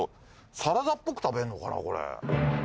サラダっぽく食べんのかなこれ。